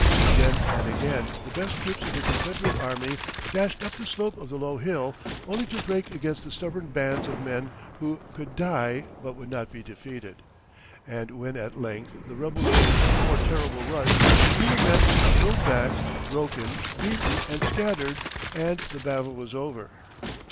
Again and again the best troops of the Confederate army dashed up the slope of the low hill, only to break against the stubborn bands of men who could die but would not be defeated. And when at length the rebels made one more terrible rush, they were met, hurled back, broken, beaten, and scattered, and the battle was over.